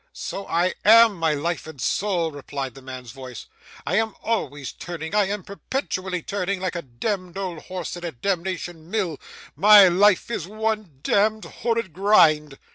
'So I am, my life and soul!' replied the man's voice. 'I am always turning. I am perpetually turning, like a demd old horse in a demnition mill. My life is one demd horrid grind!